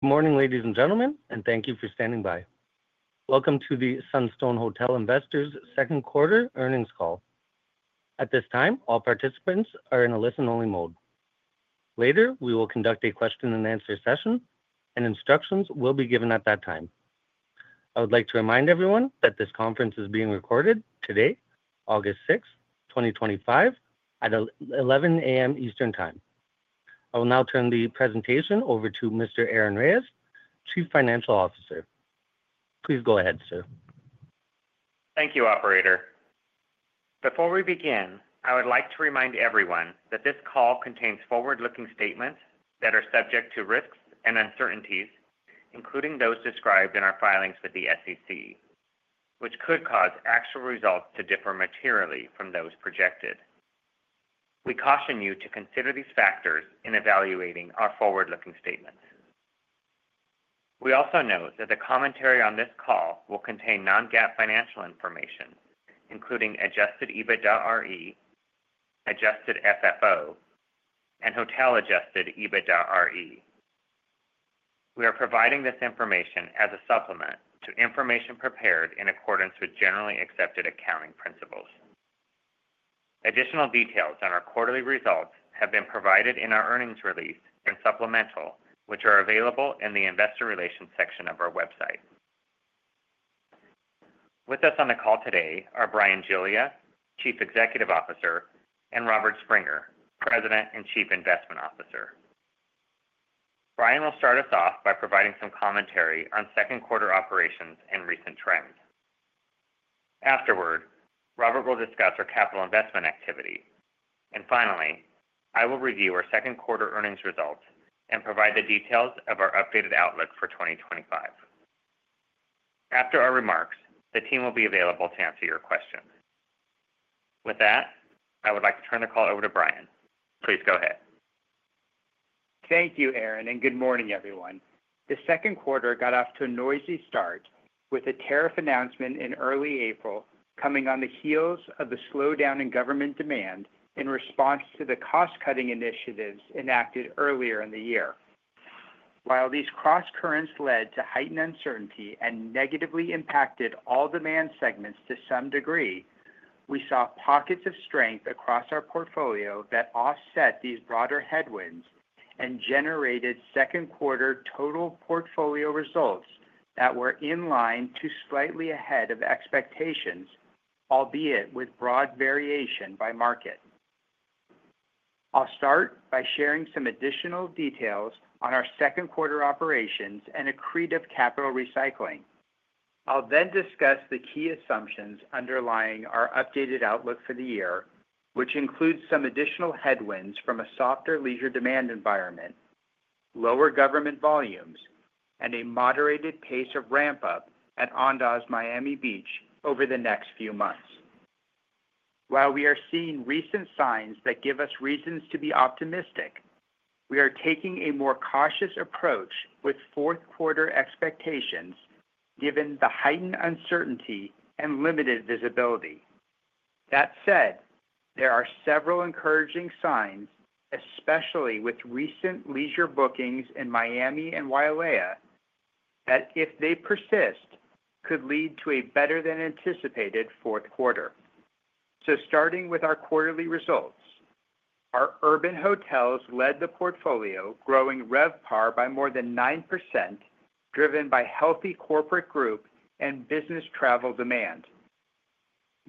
Good morning, ladies and gentlemen, and thank you for standing by. Welcome to the Sunstone Hotel Investors' second quarter earnings call. At this time, all participants are in a listen-only mode. Later, we will conduct a question-and-answer session, and instructions will be given at that time. I would like to remind everyone that this conference is being recorded today, August 6th, 2025, at 11:00 A.M. Eastern time. I will now turn the presentation over to Mr. Aaron Reyes, Chief Financial Officer. Please go ahead, sir. Thank you, Operator. Before we begin, I would like to remind everyone that this call contains forward-looking statements that are subject to risks and uncertainties, including those described in our filings with the SEC, which could cause actual results to differ materially from those projected. We caution you to consider these factors in evaluating our forward-looking statements. We also note that the commentary on this call will contain non-GAAP financial information, including adjusted EBITDA RE, adjusted FFO, and hotel adjusted EBITDA RE. We are providing this information as a supplement to information prepared in accordance with generally accepted accounting principles. Additional details on our quarterly results have been provided in our earnings release and supplemental, which are available in the investor relations section of our website. With us on the call today are Bryan Giglia, Chief Executive Officer, and Robert Springer, President and Chief Investment Officer. Bryan will start us off by providing some commentary on second quarter operations and recent trends. Afterwards, Robert will discuss our capital investment activity. Finally, I will review our second quarter earnings results and provide the details of our updated outlook for 2025. After our remarks, the team will be available to answer your questions. With that, I would like to turn the call over to Bryan. Please go ahead. Thank you, Aaron, and good morning, everyone. The second quarter got off to a noisy start with a tariff announcement in early April coming on the heels of a slowdown in government demand in response to the cost-cutting initiatives enacted earlier in the year. While these cross-currents led to heightened uncertainty and negatively impacted all demand segments to some degree, we saw pockets of strength across our portfolio that offset these broader headwinds and generated second quarter total portfolio results that were in line to slightly ahead of expectations, albeit with broad variation by market. I will start by sharing some additional details on our second quarter operations and accretive capital recycling. I will then discuss the key assumptions underlying our updated outlook for the year, which includes some additional headwinds from a softer leisure demand environment, lower government volumes, and a moderated pace of ramp-up at Andaz Miami Beach over the next few months. While we are seeing recent signs that give us reasons to be optimistic, we are taking a more cautious approach with fourth quarter expectations, given the heightened uncertainty and limited visibility. That said, there are several encouraging signs, especially with recent leisure bookings in Miami and Wailea, that if they persist, could lead to a better-than-anticipated fourth quarter. Starting with our quarterly results, our urban hotels led the portfolio, growing RevPAR by more than 9%, driven by healthy corporate group and business travel demand.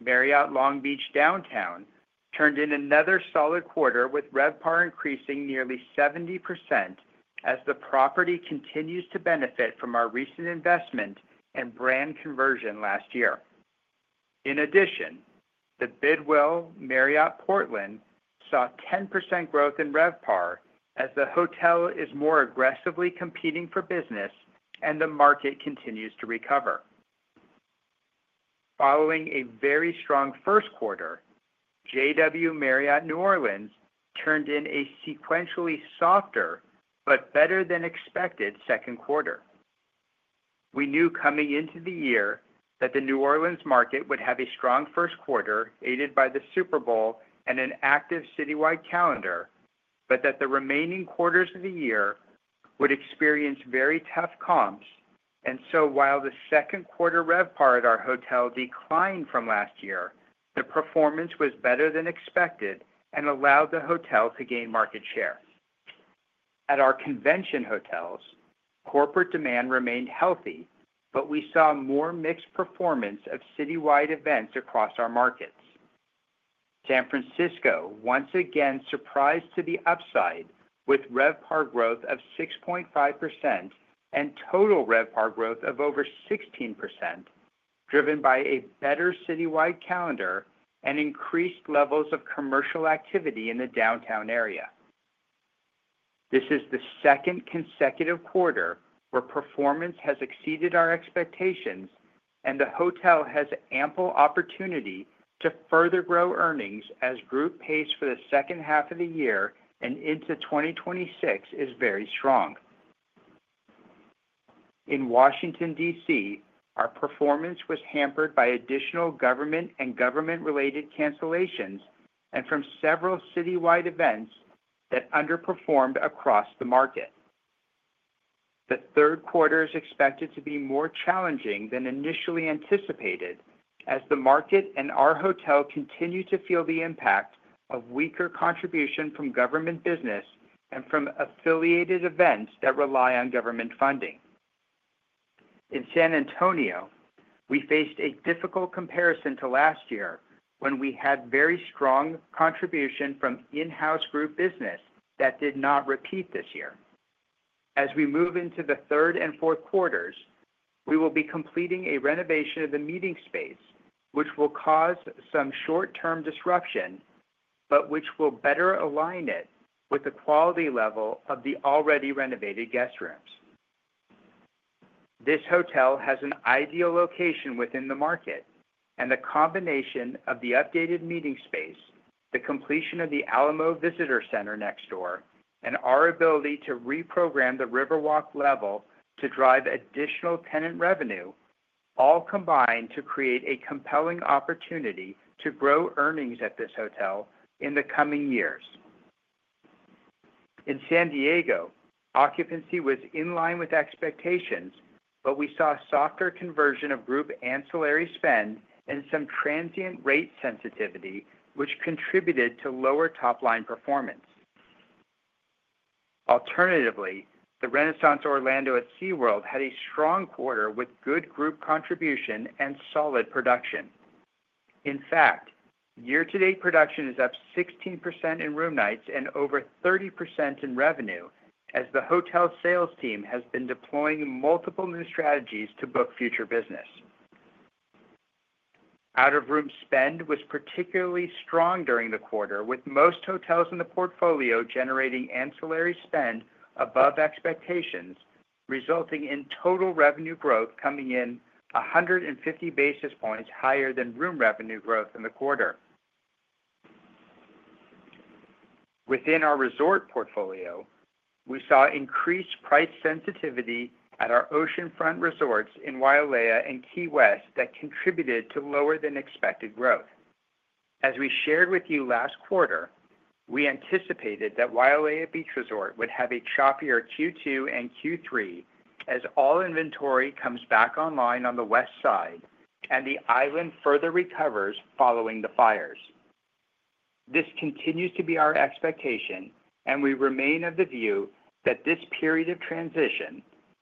Marriott Long Beach Downtown turned in another solid quarter, with RevPAR increasing nearly 70% as the property continues to benefit from our recent investment and brand conversion last year. In addition, the Bidwell Marriott Portland saw 10% growth in RevPAR as the hotel is more aggressively competing for business and the market continues to recover. Following a very strong first quarter, JW Marriott New Orleans turned in a sequentially softer but better-than-expected second quarter. We knew coming into the year that the New Orleans market would have a strong first quarter aided by the Super Bowl and an active citywide calendar, but that the remaining quarters of the year would experience very tough comps. While the second quarter RevPAR at our hotel declined from last year, the performance was better than expected and allowed the hotel to gain market share. At our convention hotels, corporate demand remained healthy, but we saw more mixed performance of citywide events across our markets. San Francisco, once again, surprised to the upside with RevPAR growth of 6.5% and total RevPAR growth of over 16%, driven by a better citywide calendar and increased levels of commercial activity in the downtown area. This is the second consecutive quarter where performance has exceeded our expectations, and the hotel has ample opportunity to further grow earnings as growth pace for the second half of the year and into 2026 is very strong. In Washington, D.C., our performance was hampered by additional government and government-related cancellations and from several citywide events that underperformed across the market. The third quarter is expected to be more challenging than initially anticipated as the market and our hotel continue to feel the impact of weaker contribution from government business and from affiliated events that rely on government funding. In San Antonio, we faced a difficult comparison to last year when we had very strong contribution from in-house group business that did not repeat this year. As we move into the third and fourth quarters, we will be completing a renovation of the meeting space, which will cause some short-term disruption, but which will better align it with the quality level of the already renovated guest rooms. This hotel has an ideal location within the market, and the combination of the updated meeting space, the completion of the Alamo Visitor Center next door, and our ability to reprogram the Riverwalk level to drive additional tenant revenue, all combined to create a compelling opportunity to grow earnings at this hotel in the coming years. In San Diego, occupancy was in line with expectations, but we saw a softer conversion of group ancillary spend and some transient rate sensitivity, which contributed to lower top-line performance. Alternatively, the Renaissance Orlando at SeaWorld had a strong quarter with good group contribution and solid production. In fact, year-to-date production is up 16% in room nights and over 30% in revenue, as the hotel sales team has been deploying multiple new strategies to book future business. Out-of-room spend was particularly strong during the quarter, with most hotels in the portfolio generating ancillary spend above expectations, resulting in total revenue growth coming in 150 basis points higher than room revenue growth in the quarter. Within our resort portfolio, we saw increased price sensitivity at our oceanfront resorts in Wailea and Key West that contributed to lower-than-expected growth. As we shared with you last quarter, we anticipated that Wailea Beach Resort would have a choppier Q2 and Q3 as all inventory comes back online on the west side and the island further recovers following the fires. This continues to be our expectation, and we remain of the view that this period of transition,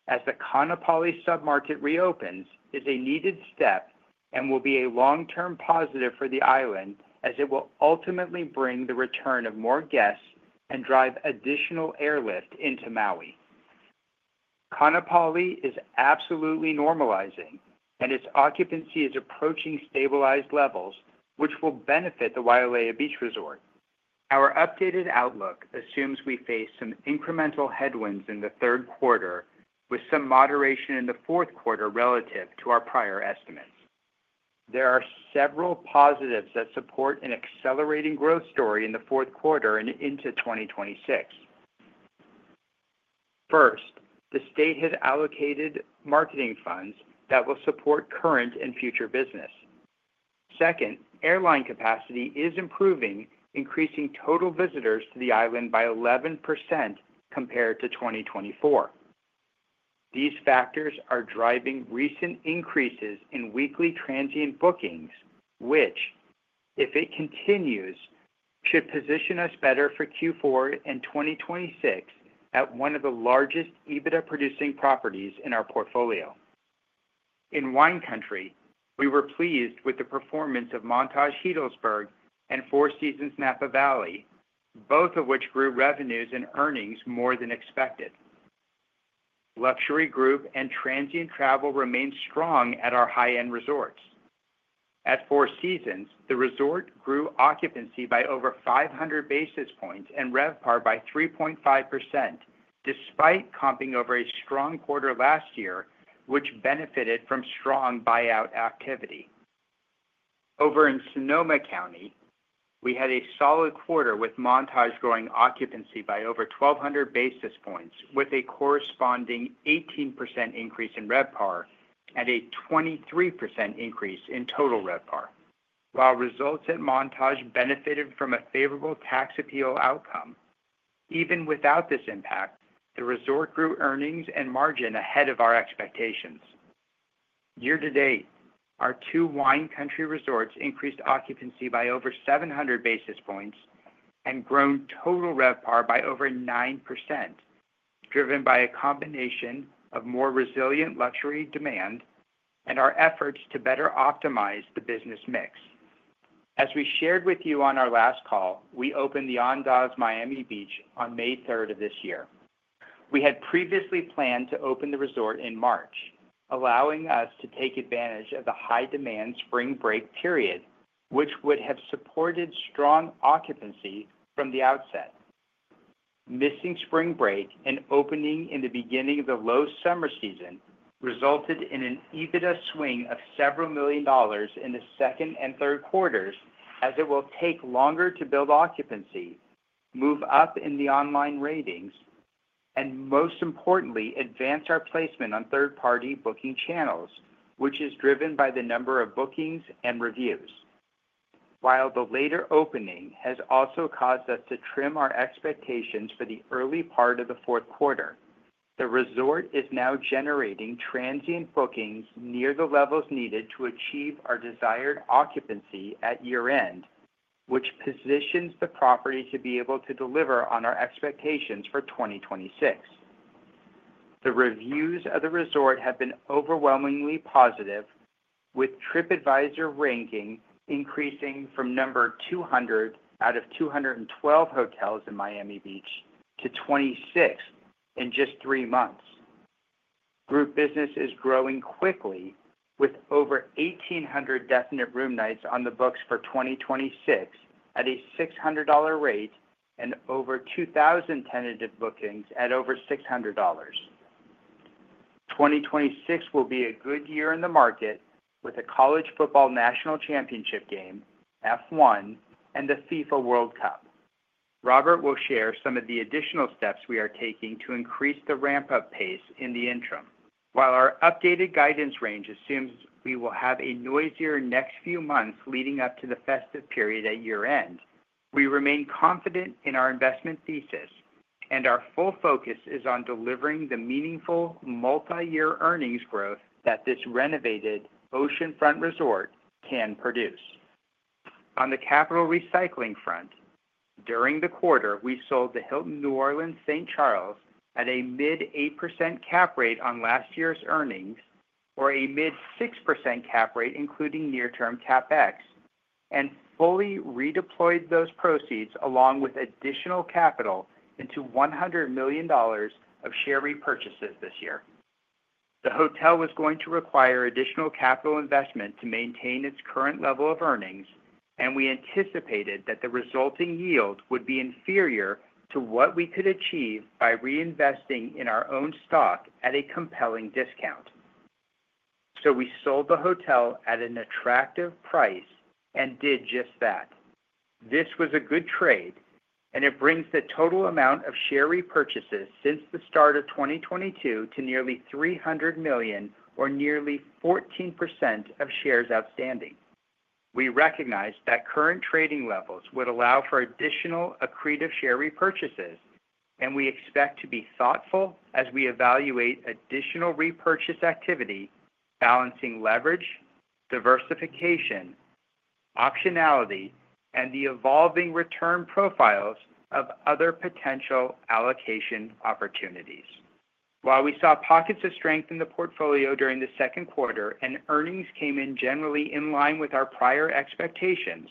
as the Kaanapali submarket reopens, is a needed step and will be a long-term positive for the island as it will ultimately bring the return of more guests and drive additional airlift into Maui. Kaanapali is absolutely normalizing, and its occupancy is approaching stabilized levels, which will benefit the Wailea Beach Resort. Our updated outlook assumes we face some incremental headwinds in the third quarter, with some moderation in the fourth quarter relative to our prior estimates. There are several positives that support an accelerating growth story in the fourth quarter and into 2026. First, the state has allocated marketing funds that will support current and future business. Second, airline capacity is improving, increasing total visitors to the island by 11% compared to 2024. These factors are driving recent increases in weekly transient bookings, which, if it continues, should position us better for Q4 and 2026 at one of the largest EBITDA-producing properties in our portfolio. In Wine Country, we were pleased with the performance of Montage Healdsburg and Four Seasons Napa Valley, both of which grew revenues and earnings more than expected. Luxury group and transient travel remained strong at our high-end resorts. At Four Seasons, the resort grew occupancy by over 500 basis points and RevPAR by 3.5%, despite comping over a strong quarter last year, which benefited from strong buyout activity. Over in Sonoma County, we had a solid quarter with Montage growing occupancy by over 1,200 basis points, with a corresponding 18% increase in RevPAR and a 23% increase in total RevPAR. While results at Montage benefited from a favorable tax appeal outcome, even without this impact, the resort grew earnings and margin ahead of our expectations. Year-to-date, our two Wine Country resorts increased occupancy by over 700 basis points and grown total RevPAR by over 9%, driven by a combination of more resilient luxury demand and our efforts to better optimize the business mix. As we shared with you on our last call, we opened the Andaz Miami Beach on May 3rd, of this year. We had previously planned to open the resort in March, allowing us to take advantage of the high-demand spring break period, which would have supported strong occupancy from the outset. Missing spring break and opening in the beginning of the low summer season resulted in an EBITDA swing of several million dollars in the second and third quarters, as it will take longer to build occupancy, move up in the online ratings, and most importantly, advance our placement on third-party booking channels, which is driven by the number of bookings and reviews. While the later opening has also caused us to trim our expectations for the early part of the fourth quarter, the resort is now generating transient bookings near the levels needed to achieve our desired occupancy at year-end, which positions the property to be able to deliver on our expectations for 2026. The reviews of the resort have been overwhelmingly positive, with TripAdvisor ranking increasing from number 200 out of 212 hotels in Miami Beach to 26 in just three months. Group business is growing quickly, with over 1,800 definite room nights on the books for 2026 at a $600 rate and over 2,000 tentative bookings at over $600. 2026 will be a good year in the market, with a college football national championship game, F1, and the FIFA World Cup. Robert will share some of the additional steps we are taking to increase the ramp-up pace in the interim. While our updated guidance range assumes we will have a noisier next few months leading up to the festive period at year-end, we remain confident in our investment thesis, and our full focus is on delivering the meaningful multi-year earnings growth that this renovated oceanfront resort can produce. On the capital recycling front, during the quarter, we sold the Hilton New Orleans St. Charles at a mid-8% cap rate on last year's earnings, or a mid-6% cap rate including near-term CapEx, and fully redeployed those proceeds along with additional capital into $100 million of share repurchases this year. The hotel was going to require additional capital investment to maintain its current level of earnings, and we anticipated that the resulting yield would be inferior to what we could achieve by reinvesting in our own stock at a compelling discount. We sold the hotel at an attractive price and did just that. This was a good trade, and it brings the total amount of share repurchases since the start of 2022 to nearly $300 million, or nearly 14% of shares outstanding. We recognize that current trading levels would allow for additional accretive share repurchases, and we expect to be thoughtful as we evaluate additional repurchase activity, balancing leverage, diversification, optionality, and the evolving return profiles of other potential allocation opportunities. While we saw pockets of strength in the portfolio during the second quarter and earnings came in generally in line with our prior expectations,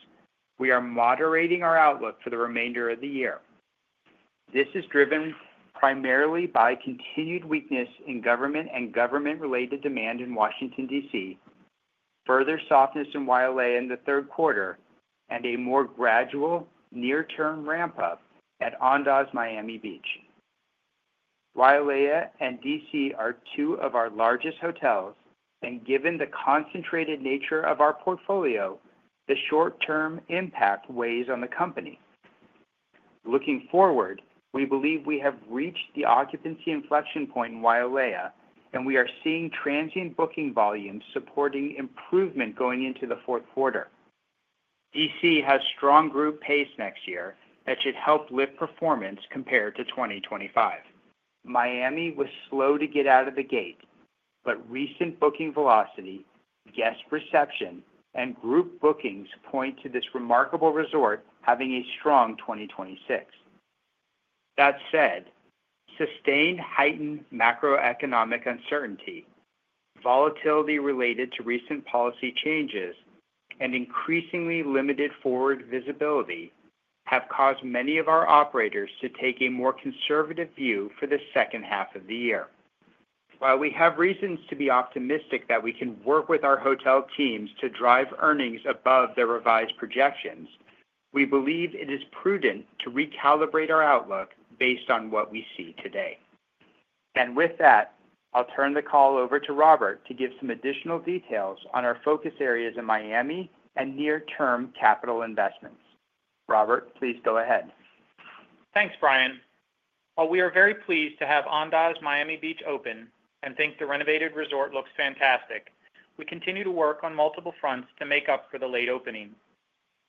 we are moderating our outlook for the remainder of the year. This is driven primarily by continued weakness in government and government-related demand in Washington, D.C., further softness in Wailea in the third quarter, and a more gradual near-term ramp-up at Andaz Miami Beach. Wailea and D.C. are two of our largest hotels, and given the concentrated nature of our portfolio, the short-term impact weighs on the company. Looking forward, we believe we have reached the occupancy inflection point in Wailea, and we are seeing transient booking volumes supporting improvement going into the fourth quarter. D.C. has strong group pace next year that should help lift performance compared to 2025. Miami was slow to get out of the gate, but recent booking velocity, guest reception, and group bookings point to this remarkable resort having a strong 2026. That said, sustained heightened macroeconomic uncertainty, volatility related to recent policy changes, and increasingly limited forward visibility have caused many of our operators to take a more conservative view for the second half of the year. While we have reasons to be optimistic that we can work with our hotel teams to drive earnings above the revised projections, we believe it is prudent to recalibrate our outlook based on what we see today. With that, I'll turn the call over to Robert to give some additional details on our focus areas in Miami and near-term capital investments. Robert, please go ahead. Thanks, Bryan. While we are very pleased to have Andaz Miami Beach open and think the renovated resort looks fantastic, we continue to work on multiple fronts to make up for the late opening.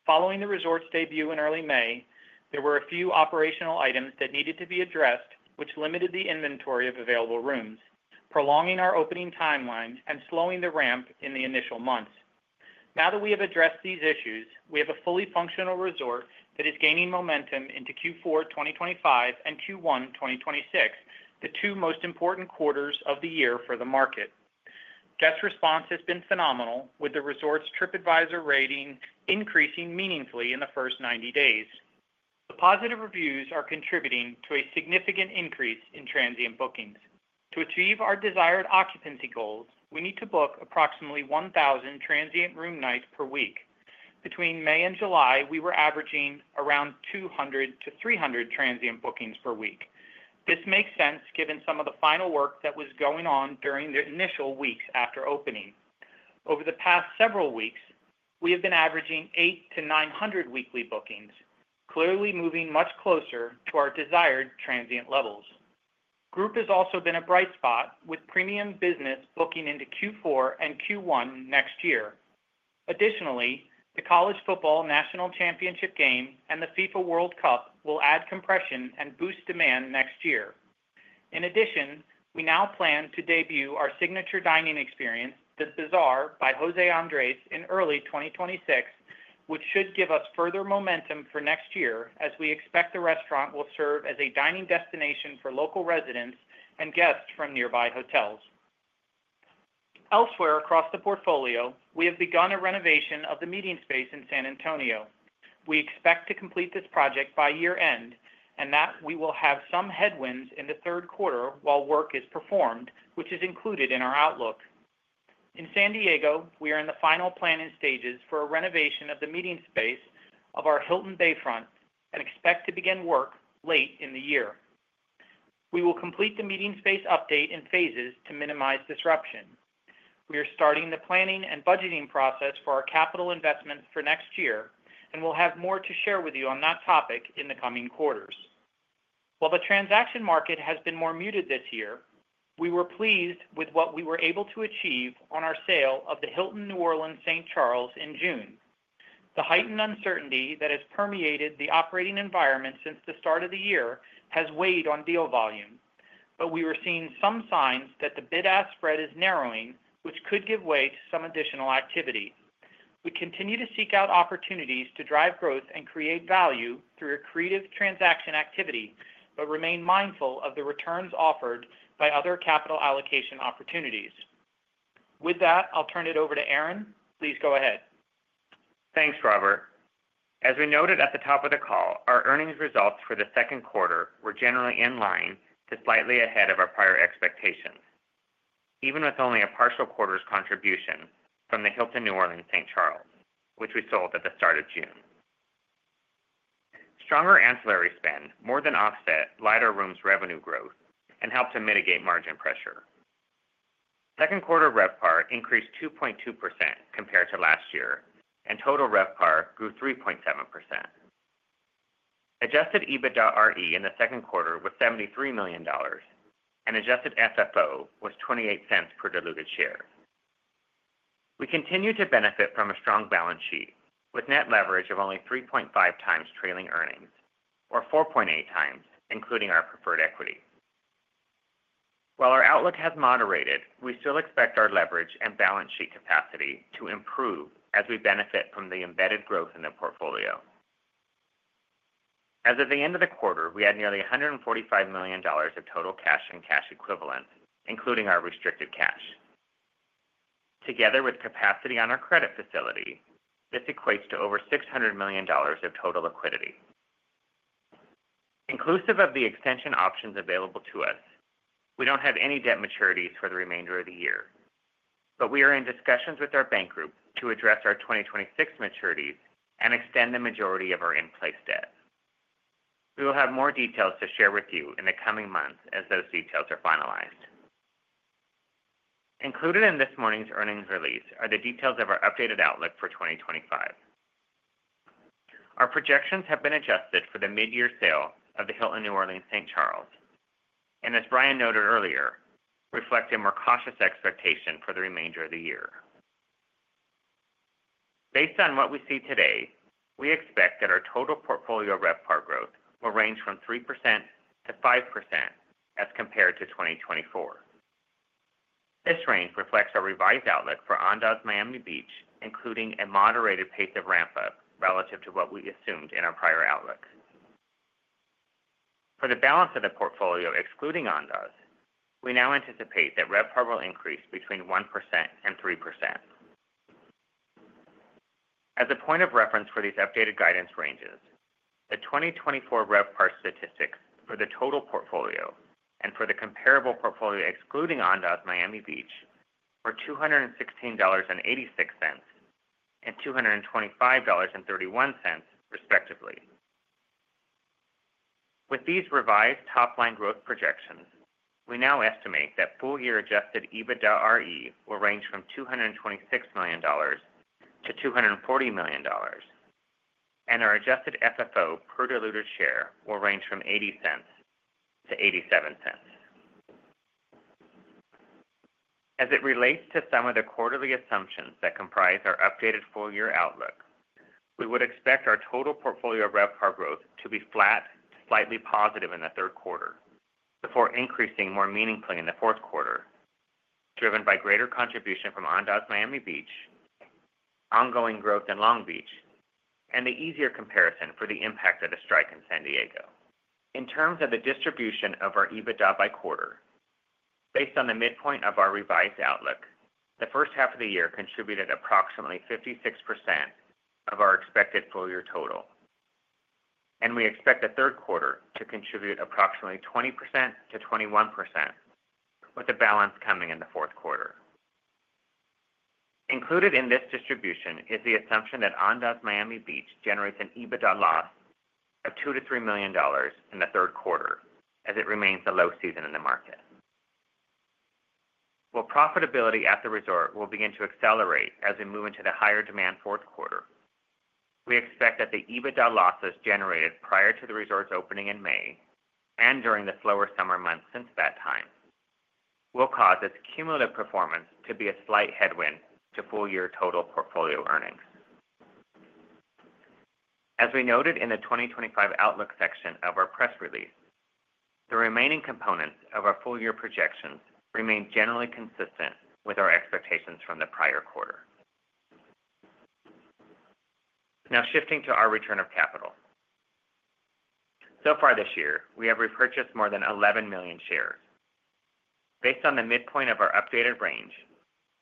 Following the resort's debut in early May, there were a few operational items that needed to be addressed, which limited the inventory of available rooms, prolonging our opening timeline and slowing the ramp in the initial months. Now that we have addressed these issues, we have a fully functional resort that is gaining momentum into Q4 2025 and Q1 2026, the two most important quarters of the year for the market. Guest response has been phenomenal, with the resort's TripAdvisor rating increasing meaningfully in the first 90 days. The positive reviews are contributing to a significant increase in transient bookings. To achieve our desired occupancy goals, we need to book approximately 1,000 transient room nights per week. Between May and July, we were averaging around 200-300 transient bookings per week. This makes sense given some of the final work that was going on during the initial weeks after opening. Over the past several weeks, we have been averaging 800-900 weekly bookings, clearly moving much closer to our desired transient levels. Group has also been a bright spot, with premium business booking into Q4 and Q1 next year. Additionally, the college football national championship game and the FIFA World Cup will add compression and boost demand next year. In addition, we now plan to debut our signature dining experience, The Bazaar by Jose Andres, in early 2026, which should give us further momentum for next year as we expect the restaurant will serve as a dining destination for local residents and guests from nearby hotels. Elsewhere across the portfolio, we have begun a renovation of the meeting space in San Antonio. We expect to complete this project by year-end and that we will have some headwinds in the third quarter while work is performed, which is included in our outlook. In San Diego, we are in the final planning stages for a renovation of the meeting space of our Hilton San Diego Bayfront and expect to begin work late in the year. We will complete the meeting space update in phases to minimize disruption. We are starting the planning and budgeting process for our capital investments for next year, and we'll have more to share with you on that topic in the coming quarters. While the transaction market has been more muted this year, we were pleased with what we were able to achieve on our sale of the Hilton New Orleans/St. Charles in June. The heightened uncertainty that has permeated the operating environment since the start of the year has weighed on deal volume, but we are seeing some signs that the bid-ask spread is narrowing, which could give way to some additional activity. We continue to seek out opportunities to drive growth and create value through accretive transaction activity, but remain mindful of the returns offered by other capital allocation opportunities. With that, I'll turn it over to Aaron. Please go ahead. Thanks, Robert. As we noted at the top of the call, our earnings results for the second quarter were generally in line to slightly ahead of our prior expectations, even with only a partial quarter's contribution from the Hilton New Orleans/St. Charles, which we sold at the start of June. Stronger ancillary spend more than offset lighter rooms' revenue growth and helped to mitigate margin pressure. Second quarter RevPAR increased 2.2% compared to last year, and total RevPAR grew 3.7%. Adjusted EBITDA RE in the second quarter was $73 million, and adjusted FFO was $0.28 per diluted share. We continue to benefit from a strong balance sheet with net leverage of only 3.5x trailing earnings, or 4.8x including our preferred equity. While our outlook has moderated, we still expect our leverage and balance sheet capacity to improve as we benefit from the embedded growth in the portfolio. As of the end of the quarter, we had nearly $145 million of total cash and cash equivalent, including our restricted cash. Together with capacity on our credit facility, this equates to over $600 million of total liquidity. Inclusive of the extension options available to us, we don't have any debt maturities for the remainder of the year, but we are in discussions with our bank group to address our 2026 maturities and extend the majority of our in-place debt. We will have more details to share with you in the coming months as those details are finalized. Included in this morning's earnings release are the details of our updated outlook for 2025. Our projections have been adjusted for the mid-year sale of the Hilton New Orleans/St. Charles, and as Bryan noted earlier, reflect a more cautious expectation for the remainder of the year. Based on what we see today, we expect that our total portfolio RevPAR growth will range from 3%-5% as compared to 2024. This range reflects our revised outlook for Andaz Miami Beach, including a moderated pace of ramp-up relative to what we assumed in our prior outlook. For the balance of the portfolio excluding Andaz, we now anticipate that RevPAR will increase between 1% and 3%. As a point of reference for these updated guidance ranges, the 2024 RevPAR statistics for the total portfolio and for the comparable portfolio excluding Andaz Miami Beach are $216.86 and $225.31, respectively. With these revised top-line growth projections, we now estimate that full-year adjusted EBITDA RE will range from $226 million-$240 million, and our adjusted FFO per diluted share will range from $0.80-$0.87. As it relates to some of the quarterly assumptions that comprise our updated full-year outlook, we would expect our total portfolio RevPAR growth to be flat, slightly positive in the third quarter before increasing more meaningfully in the fourth quarter, driven by greater contribution from Andaz Miami Beach, ongoing growth in Long Beach, and the easier comparison for the impact of the strike in San Diego. In terms of the distribution of our EBITDA by quarter, based on the midpoint of our revised outlook, the first half of the year contributed approximately 56% of our expected full-year total, and we expect the third quarter to contribute approximately 20%-21%, with the balance coming in the fourth quarter. Included in this distribution is the assumption that Andaz Miami Beach generates an EBITDA loss of $2 million-$3 million in the third quarter as it remains a low season in the market. While profitability at the resort will begin to accelerate as we move into the higher demand fourth quarter, we expect that the EBITDA losses generated prior to the resort's opening in May and during the slower summer months since that time will cause its cumulative performance to be a slight headwind to full-year total portfolio earnings. As we noted in the 2025 outlook section of our press release, the remaining components of our full-year projections remain generally consistent with our expectations from the prior quarter. Now shifting to our return of capital. So far this year, we have repurchased more than 11 million shares. Based on the midpoint of our updated range,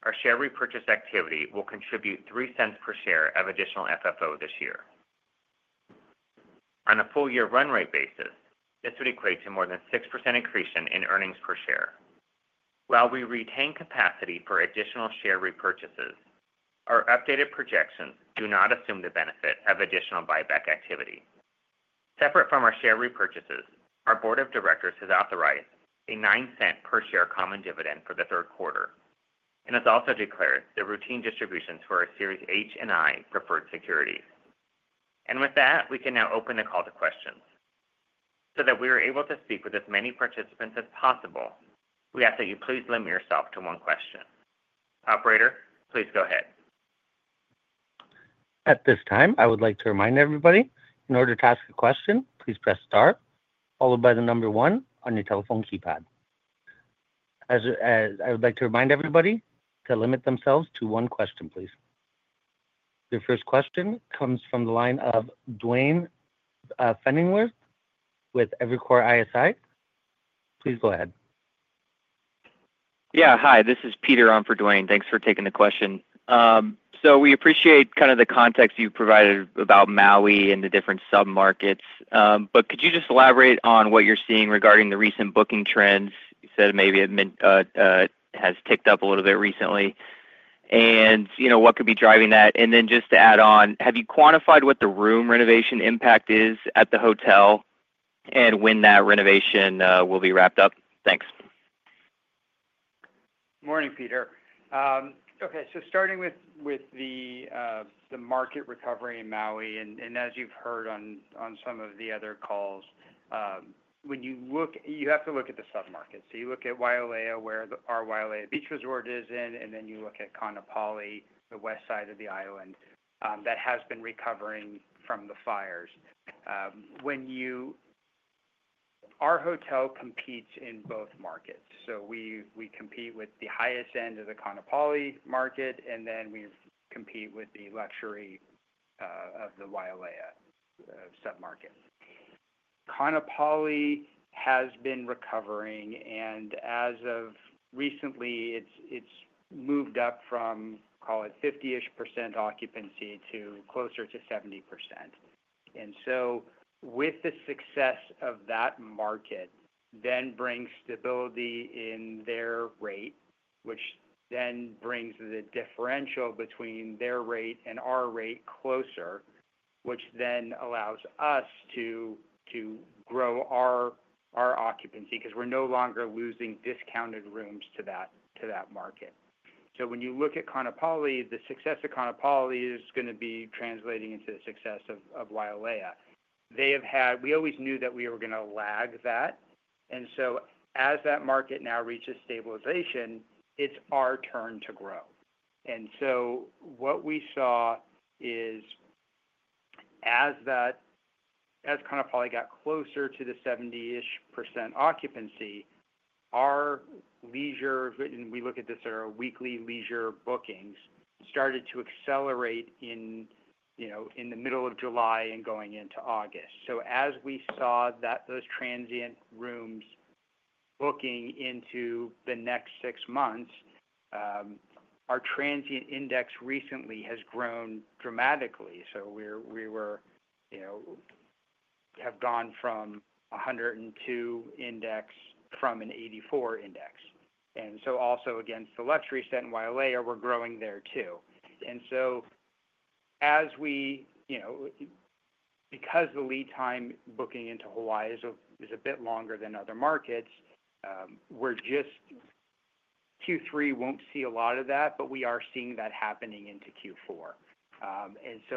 our share repurchase activity will contribute $0.03 per share of additional FFO this year. On a full-year run rate basis, this would equate to more than a 6% increase in earnings per share. While we retain capacity for additional share repurchases, our updated projections do not assume the benefit of additional buyback activity. Separate from our share repurchases, our board of directors has authorized a $0.09 per share common dividend for the third quarter and has also declared the routine distributions for our Series H and I preferred securities. With that, we can now open the call to questions. We are able to speak with as many participants as possible. We ask that you please limit yourself to one question. Operator, please go ahead. At this time, I would like to remind everybody, in order to ask a question, please press star, followed by the number 1 on your telephone keypad. I would like to remind everybody to limit themselves to one question, please. Your first question comes from the line of Duane Pfennigwerth with Evercore ISI. Please go ahead. Yeah, hi. This is Peter on for Duane. Thanks for taking the question. We appreciate the context you provided about Maui and the different submarkets. Could you just elaborate on what you're seeing regarding the recent booking trends? You said maybe it has ticked up a little bit recently, and you know what could be driving that. Just to add on, have you quantified what the room renovation impact is at the hotel and when that renovation will be wrapped up? Thanks. Morning, Peter. Okay, starting with the market recovery in Maui, as you've heard on some of the other calls, when you look, you have to look at the submarkets. You look at Wailea, where our Wailea Beach Resort is, and then you look at Kaanapali, the west side of the island that has been recovering from the fires. Our hotel competes in both markets. We compete with the highest end of the Kaanapali market, and we compete with the luxury of the Wailea submarket. Kaanapali has been recovering, and as of recently, it's moved up from, call it, 50-ish percent occupancy to closer to 70%. With the success of that market, it brings stability in their rate, which brings the differential between their rate and our rate closer, which allows us to grow our occupancy because we're no longer losing discounted rooms to that market. When you look at Kaanapali, the success of Kaanapali is going to be translating into the success of Wailea. We always knew that we were going to lag that. As that market now reaches stabilization, it's our turn to grow. What we saw is as Kaanapali got closer to the 70-ish percent occupancy, our leisure, and we look at this at our weekly leisure bookings, started to accelerate in the middle of July and going into August. As we saw those transient rooms booking into the next six months, our transient index recently has grown dramatically. We have gone from 102 index from an 84 index. Also, against the luxury set in Wailea, we're growing there too. Because the lead time booking into Hawaii is a bit longer than other markets, Q3 won't see a lot of that, but we are seeing that happening into Q4.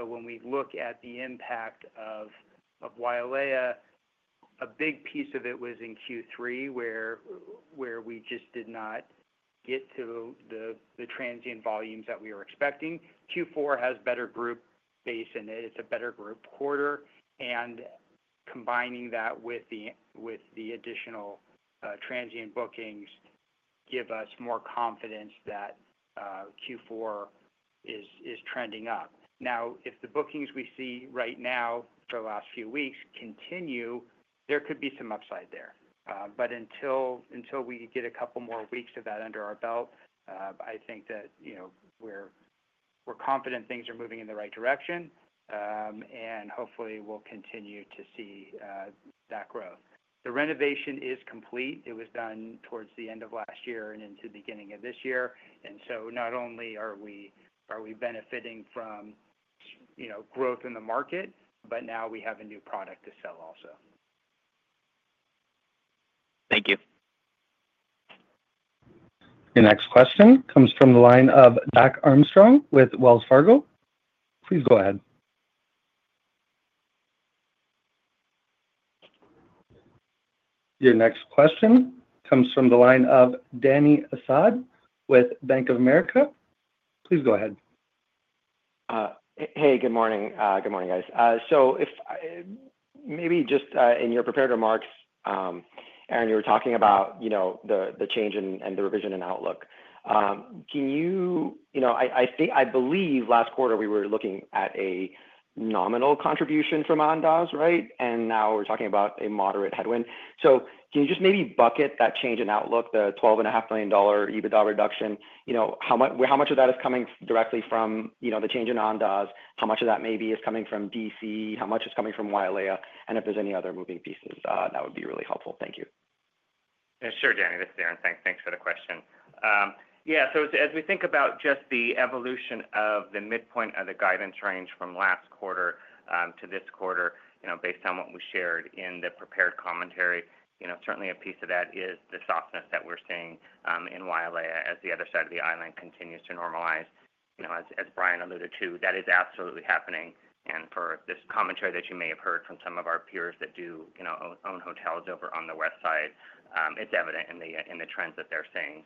When we look at the impact of Wailea, a big piece of it was in Q3 where we just did not get to the transient volumes that we were expecting. Q4 has better group base and it's a better group quarter, and combining that with the additional transient bookings gives us more confidence that Q4 is trending up. If the bookings we see right now for the last few weeks continue, there could be some upside there. Until we get a couple more weeks of that under our belt, I think that we're confident things are moving in the right direction, and hopefully we'll continue to see that growth. The renovation is complete. It was done towards the end of last year and into the beginning of this year. Not only are we benefiting from growth in the market, but now we have a new product to sell also. Thank you. The next question comes from the line of Dany Asad with Bank of America. Please go ahead. Hey, good morning. Good morning, guys. In your prepared remarks, Aaron, you were talking about the change and the revision in outlook. I believe last quarter we were looking at a nominal contribution from Andaz, right? Now we're talking about a moderate headwind. Can you just maybe bucket that change in outlook, the $12.5 million EBITDA reduction? How much of that is coming directly from the change in Andaz? How much of that maybe is coming from D.C.? How much is coming from Wailea? If there's any other moving pieces, that would be really helpful. Thank you. Sure, Dany. This is Aaron. Thanks for the question. Yeah, as we think about just the evolution of the midpoint of the guidance range from last quarter to this quarter, based on what we shared in the prepared commentary, certainly a piece of that is the softness that we're seeing in Wailea as the other side of the island continues to normalize. As Bryan alluded to, that is absolutely happening. For this commentary that you may have heard from some of our peers that do own hotels over on the west side, it's evident in the trends that they're seeing.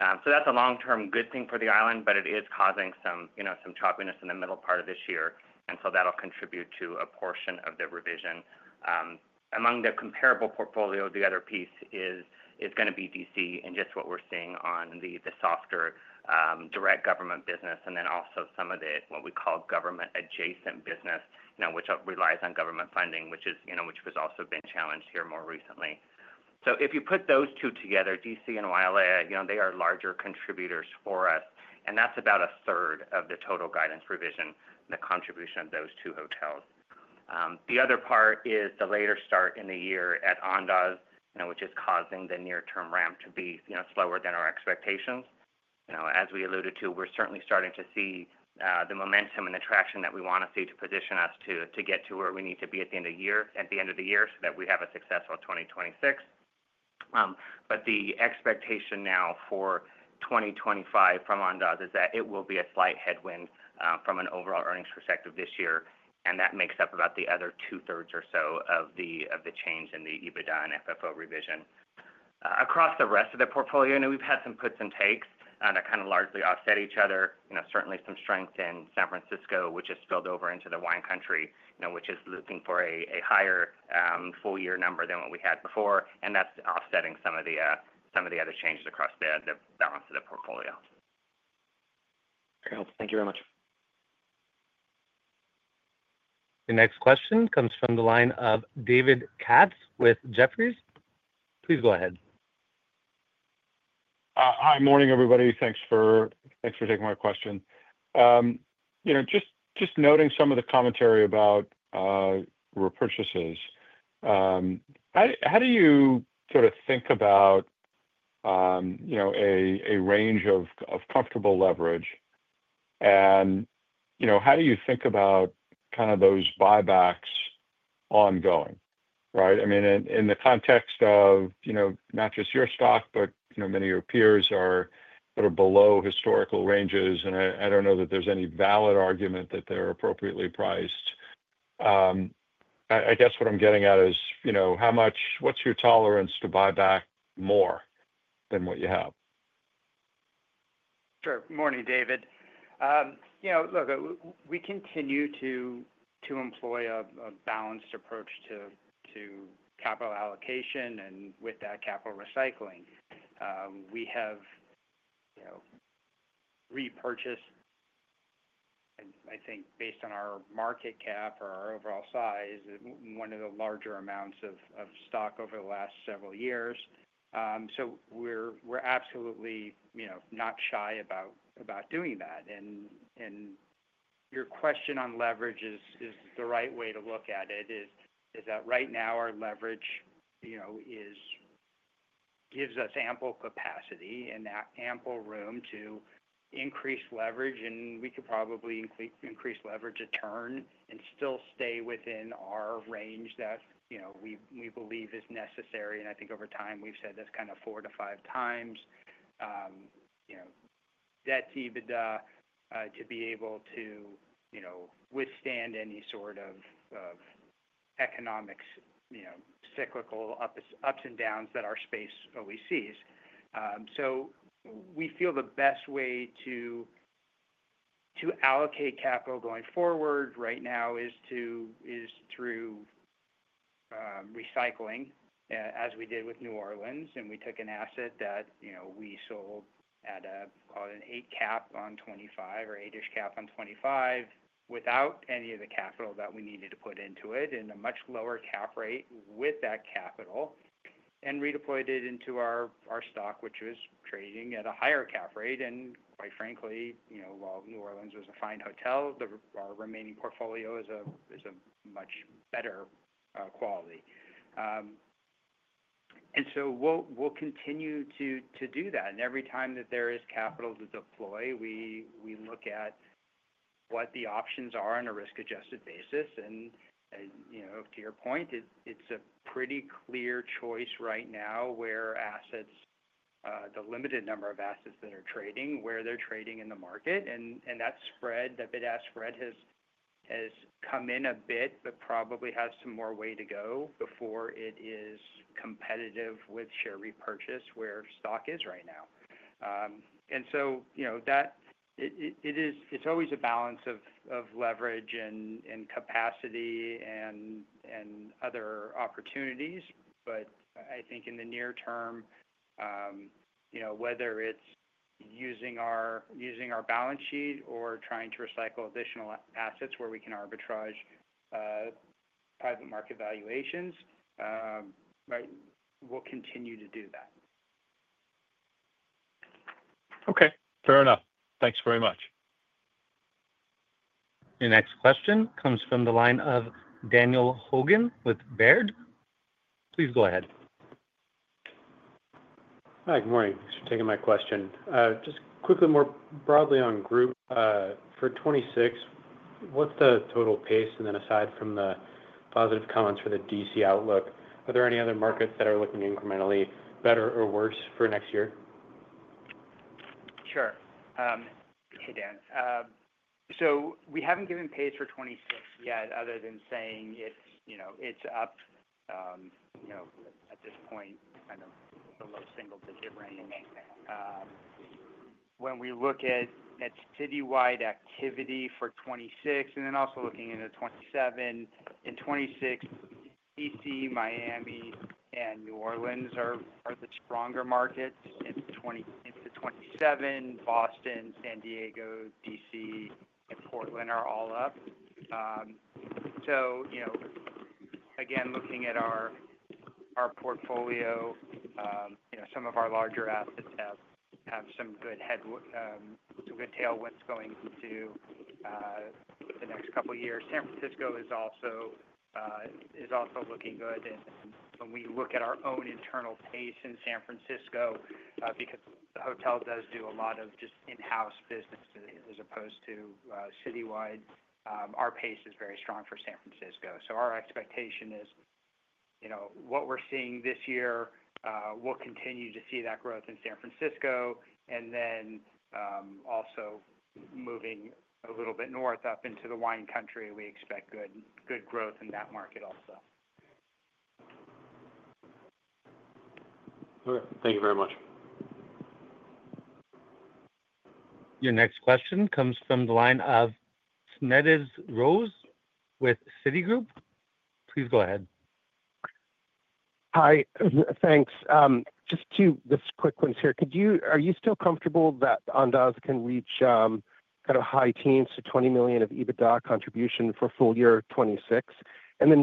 That's a long-term good thing for the island, but it is causing some choppiness in the middle part of this year. That'll contribute to a portion of the revision. Among the comparable portfolio, the other piece is going to be D.C. and just what we're seeing on the softer direct government business and also some of the, what we call, government-adjacent business, which relies on government funding, which has also been challenged here more recently. If you put those two together, D.C. and Wailea, they are larger contributors for us. That's about 1/3 of the total guidance revision, the contribution of those two hotels. The other part is the later start in the year at Andaz, which is causing the near-term ramp to be slower than our expectations. As we alluded to, we're certainly starting to see the momentum and the traction that we want to see to position us to get to where we need to be at the end of the year so that we have a successful 2026. The expectation now for 2025 from Andaz is that it will be a slight headwind from an overall earnings perspective this year. That makes up about the other 2/3 or so of the change in the EBITDA and FFO revision. Across the rest of the portfolio, we've had some puts and takes that kind of largely offset each other. Certainly some strength in San Francisco, which has spilled over into the Wine Country, which is looking for a higher full-year number than what we had before. That's offsetting some of the other changes across the balance of the portfolio. Very helpful. Thank you very much. The next question comes from the line of David Katz with Jefferies. Please go ahead. Hi, morning everybody. Thanks for taking my question. Noting some of the commentary about repurchases, how do you sort of think about a range of comfortable leverage? How do you think about kind of those buybacks ongoing? Right? I mean, in the context of not just your stock, but many of your peers are sort of below historical ranges, and I don't know that there's any valid argument that they're appropriately priced. I guess what I'm getting at is, how much, what's your tolerance to buy back more than what you have? Sure. Morning, David. We continue to employ a balanced approach to capital allocation, and with that, capital recycling. We have repurchased, I think, based on our market cap or our overall size, one of the larger amounts of stock over the last several years. We are absolutely not shy about doing that. Your question on leverage is the right way to look at it. Right now our leverage gives us ample capacity and ample room to increase leverage, and we could probably increase leverage a turn and still stay within our range that we believe is necessary. I think over time we've said this kind of four to five times, debt to EBITDA to be able to withstand any sort of economics, cyclical ups and downs that our space always sees. We feel the best way to allocate capital going forward right now is through recycling, as we did with New Orleans. We took an asset that we sold at a, call it an 8% cap on 2025 or 8-ish percent cap on 2025 without any of the capital that we needed to put into it in a much lower cap rate with that capital and redeployed it into our stock, which was trading at a higher cap rate. Quite frankly, while New Orleans was a fine hotel, our remaining portfolio is a much better quality. We will continue to do that. Every time that there is capital to deploy, we look at what the options are on a risk-adjusted basis. To your point, it's a pretty clear choice right now where assets, the limited number of assets that are trading, where they're trading in the market. That spread, the bid-ask spread, has come in a bit, but probably has some more way to go before it is competitive with share repurchase where stock is right now. It's always a balance of leverage and capacity and other opportunities. I think in the near-term, whether it's using our balance sheet or trying to recycle additional assets where we can arbitrage private market valuations, we'll continue to do that. Okay, fair enough. Thanks very much. Your next question comes from the line of Daniel Hogan with Baird. Please go ahead. Hi, good morning. Thanks for taking my question. Just quickly, more broadly on group for 2026, what's the total pace? Aside from the positive comments for the D.C. outlook, are there any other markets that are looking incrementally better or worse for next year? Sure. Hey, Dan. We haven't given pace for 2026 yet, other than saying it's, you know, it's up, you know, at this point, kind of below single-digit range. When we look at citywide activity for 2026, and then also looking into 2027, in 2026, Washington, D.C., Miami, and New Orleans are the stronger markets. In 2027, Boston, San Diego, Washington, D.C., and Portland are all up. Again, looking at our portfolio, some of our larger assets have some good headwind, some good tailwinds going into the next couple of years. San Francisco is also looking good. When we look at our own internal pace in San Francisco, because the hotel does do a lot of just in-house business as opposed to citywide, our pace is very strong for San Francisco. Our expectation is, you know, what we're seeing this year, we'll continue to see that growth in San Francisco. Also, moving a little bit north up into the wine country, we expect good growth in that market also. All right, thank you very much. Your next question comes from the line of Smedes Rose with Citi. Please go ahead. Hi, thanks. Just two quick ones here. Are you still comfortable that Andaz can reach kind of high teens to $20 million of EBITDA contribution for full year 2026?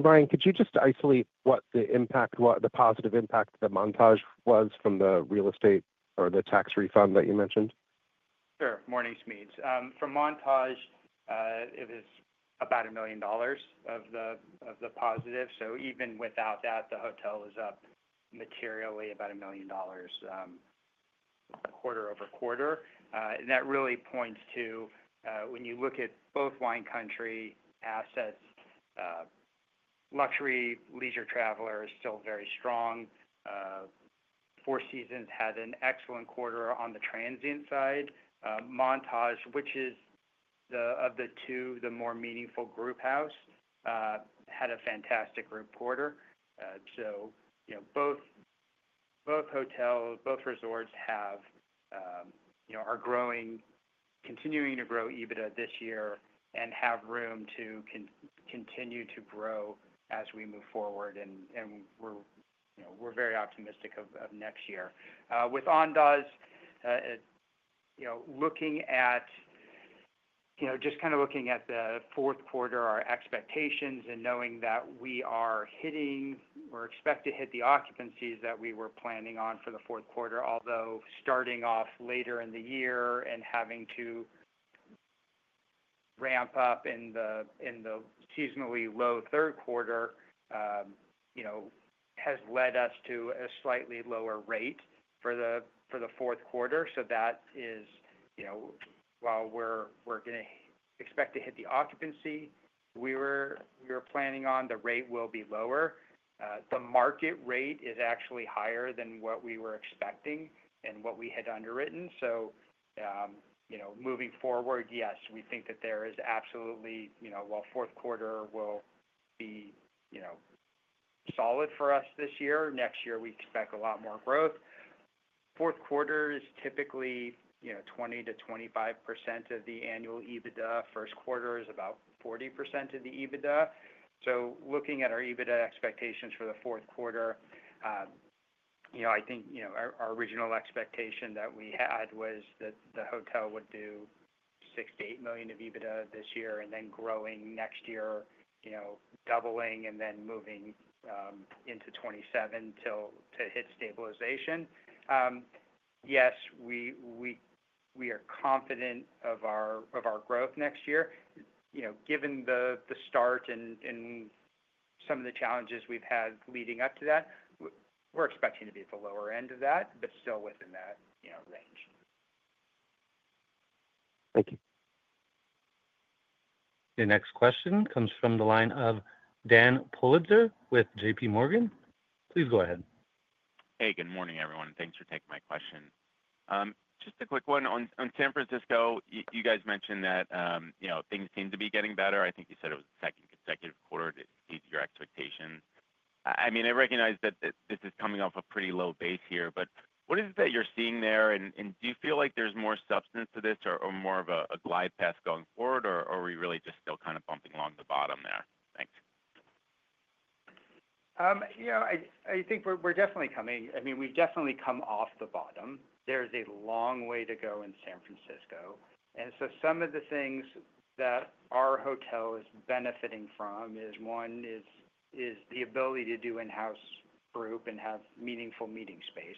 Bryan, could you just isolate what the impact, the positive impact that the Montage was from the real estate or the tax refund that you mentioned? Sure. Morning, Smedes. For Montage, it was about $1 million of the positive. Even without that, the hotel was up materially about $1 million, quarter-over-quarter. That really points to, when you look at both Wine Country assets, luxury leisure traveler is still very strong. Four Seasons had an excellent quarter on the transient side. Montage, which is the more meaningful group house of the two, had a fantastic group quarter. Both hotels, both resorts, are growing, continuing to grow EBITDA this year and have room to continue to grow as we move forward. We are very optimistic of next year. With Andaz, looking at just kind of looking at the fourth quarter, our expectations and knowing that we are expected to hit the occupancies that we were planning on for the fourth quarter, although starting off later in the year and having to ramp up in the seasonally low third quarter has led us to a slightly lower rate for the fourth quarter. While we are going to expect to hit the occupancy we were planning on, the rate will be lower. The market rate is actually higher than what we were expecting and what we had underwritten. Moving forward, yes, we think that there is absolutely, while fourth quarter will be solid for us this year, next year we expect a lot more growth. Fourth quarter is typically 20%-25% of the annual EBITDA. First quarter is about 40% of the EBITDA. Looking at our EBITDA expectations for the fourth quarter, I think our original expectation that we had was that the hotel would do $6 million-$8 million of EBITDA this year and then growing next year, doubling and then moving into 2027 to hit stabilization. Yes, we are confident of our growth next year. Given the start and some of the challenges we've had leading up to that, we're expecting to be at the lower end of that, but still within that range. Thank you. Your next question comes from the line of Dan Politzer with JPMorgan. Please go ahead. Hey, good morning everyone. Thanks for taking my question. Just a quick one on San Francisco. You guys mentioned that things seem to be getting better. I think you said it was the second consecutive quarter to exceed your expectations. I recognize that this is coming off a pretty low base here, but what is it that you're seeing there? Do you feel like there's more substance to this or more of a glide path going forward, or are we really just still kind of bumping along the bottom there? Thanks. I think we're definitely coming, we've definitely come off the bottom. There's a long way to go in San Francisco. Some of the things that our hotel is benefiting from is, one, the ability to do in-house group and have meaningful meeting space.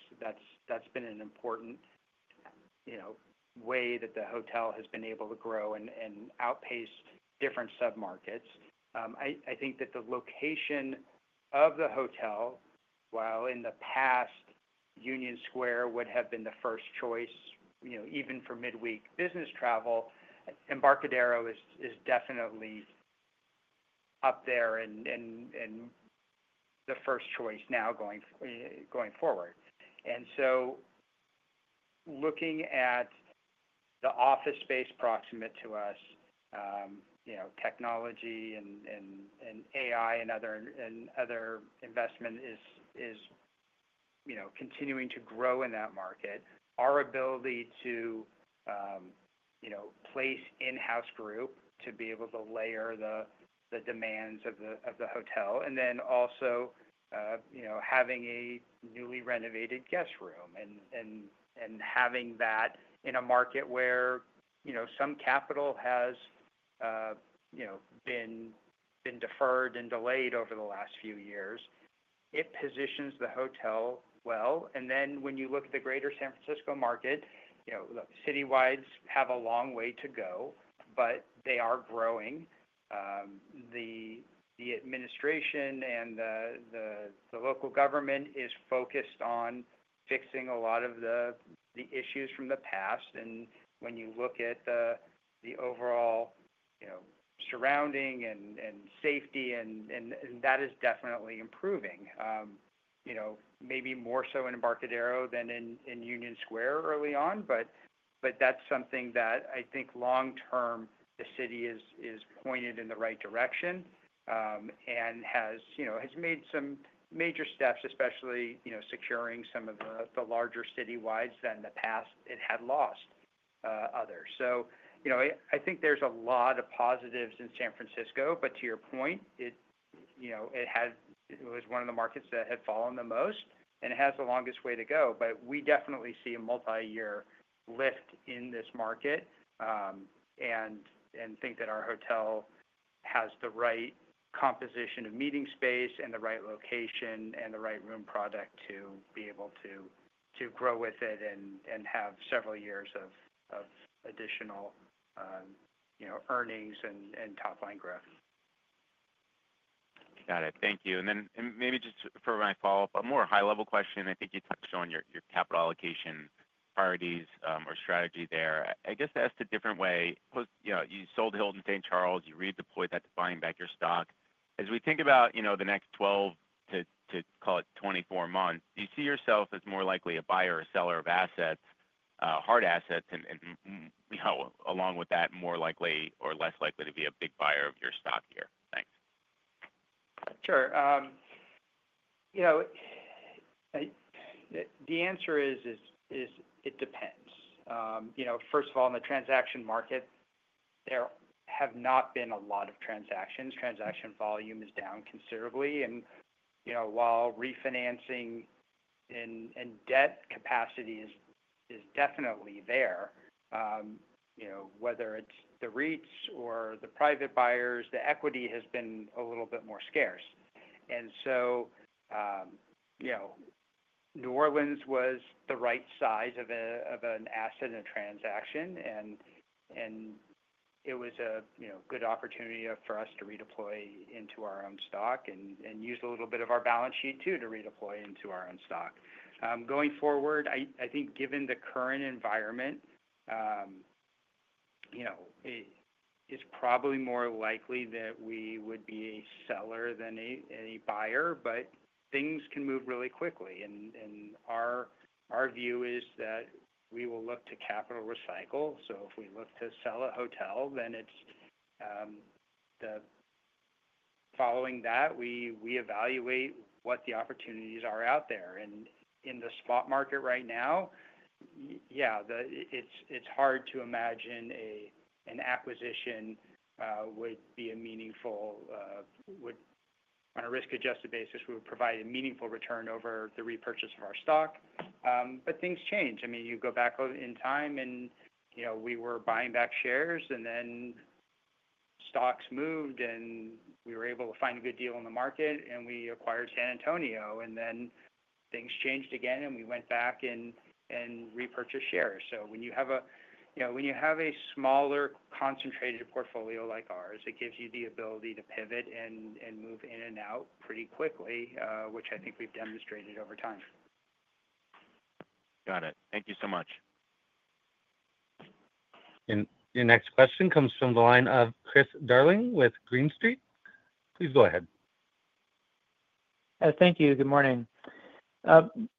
That's been an important way that the hotel has been able to grow and outpace different submarkets. I think that the location of the hotel, while in the past Union Square would have been the first choice, even for midweek business travel, Embarcadero is definitely up there and the first choice now going forward. Looking at the office space proximate to us, technology and AI and other investment is continuing to grow in that market our ability to place in-house group to be able to layer the demands of the hotel, and then also having a newly renovated guest room and having that in a market where some capital has been deferred and delayed over the last few years, positions the hotel well. When you look at the greater San Francisco market, citywides have a long way to go, but they are growing. The administration and the local government is focused on fixing a lot of the issues from the past. When you look at the overall surrounding and safety, that is definitely improving, maybe more so in Embarcadero than in Union Square early on, but that's something that I think long-term the city is pointed in the right direction and has made some major steps, especially securing some of the larger citywides than in the past it had lost others. I think there's a lot of positives in San Francisco, but to your point, it was one of the markets that had fallen the most and it has the longest way to go. We definitely see a multi-year lift in this market and think that our hotel has the right composition of meeting space and the right location and the right room product to be able to grow with it and have several years of additional earnings and top-line growth. Got it. Thank you. Maybe just for my follow-up, a more high-level question, I think you touched on your capital allocation priorities or strategy there. I guess that's a different way. You know, you sold the Hilton New Orleans/St. Charles, you redeployed that to buying back your stock. As we think about the next 12 to, call it, 24 months, do you see yourself as more likely a buyer or seller of assets, hard assets, and, along with that, more likely or less likely to be a big buyer of your stock here? Thanks. Sure. The answer is it depends. First of all, in the transaction market, there have not been a lot of transactions. Transaction volume is down considerably. While refinancing and debt capacity is definitely there, whether it's the REITs or the private buyers, the equity has been a little bit more scarce. New Orleans was the right size of an asset in a transaction, and it was a good opportunity for us to redeploy into our own stock and use a little bit of our balance sheet too to redeploy into our own stock. Going forward, I think given the current environment, it's probably more likely that we would be a seller than a buyer, but things can move really quickly. Our view is that we will look to capital recycle. If we look to sell a hotel, then following that, we evaluate what the opportunities are out there. In the spot market right now, it's hard to imagine an acquisition would, on a risk-adjusted basis, provide a meaningful return over the repurchase of our stock. Things change. You go back in time and we were buying back shares and then stocks moved and we were able to find a good deal in the market and we acquired San Antonio. Things changed again and we went back and repurchased shares. When you have a smaller concentrated portfolio like ours, it gives you the ability to pivot and move in and out pretty quickly, which I think we've demonstrated over time. Got it. Thank you so much. Your next question comes from the line of Chris Darling with Green Street. Please go ahead. Thank you. Good morning.